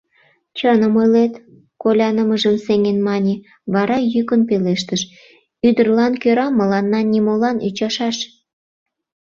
— Чыным ойлет, — колянымыжым сеҥен мане, вара йӱкын пелештыш: — Ӱдырлан кӧра мыланна нимолан ӱчашаш.